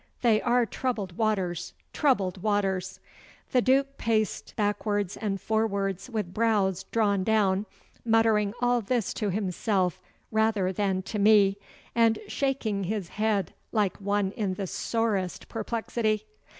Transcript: They are troubled waters troubled waters!' The Duke paced backwards and forwards with brows drawn down, muttering all this to himself rather than to me, and shaking his head like one in the sorest perplexity.